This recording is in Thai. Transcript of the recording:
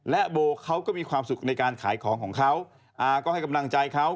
และโบเขาก็มีความสุขในการขายของของเขาอาก็ให้กำลังใจเขา